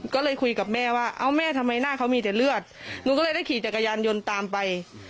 ก็เลยคุยกับแม่ว่าเอ้าแม่ทำไมหน้าเขามีแต่เลือดหนูก็เลยได้ขี่จักรยานยนต์ตามไป